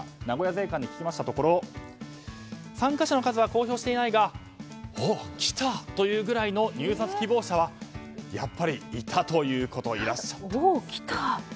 名古屋税関に聞きましたところ参加者の数は公表していないがおお、来た！というぐらいの入札希望者はやっぱりいたということです。